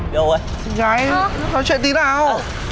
cô gái nói chuyện tí nào